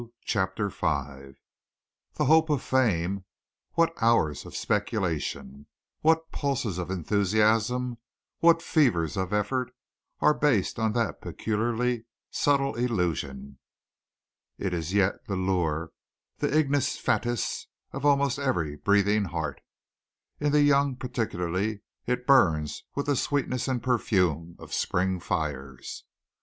CHAPTER V The hope of fame what hours of speculation, what pulses of enthusiasm, what fevers of effort, are based on that peculiarly subtle illusion! It is yet the lure, the ignis fatuus of almost every breathing heart. In the young particularly it burns with the sweetness and perfume of spring fires.